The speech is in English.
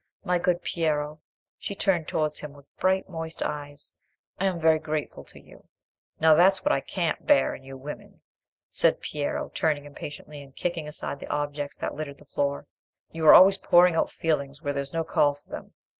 My good Piero,"—she turned towards him with bright moist eyes—"I am very grateful to you." "Now that's what I can't bear in you women," said Piero, turning impatiently, and kicking aside the objects that littered the floor—"you are always pouring out feelings where there's no call for them.